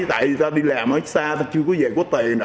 tại vì ta đi làm ở xa ta chưa có về có tiền